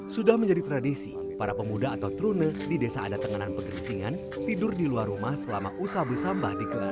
sudah menjadi tradisi para pemuda atau trune di desa ada tenganan pegeringsingan tidur di luar rumah selama usaha besambah dikelar